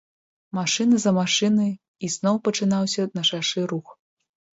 Машына за машынай, і зноў пачынаўся на шашы рух.